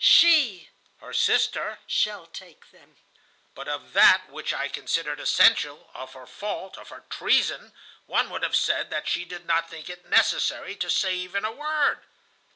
... She (her sister) shall take them.' ... "But of that which I considered essential, of her fault, of her treason, one would have said that she did not think it necessary to say even a word.